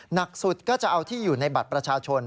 หนักสุดก็จะเอาที่อยู่ในบัตรประชาชน